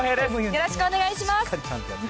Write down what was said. よろしくお願いします。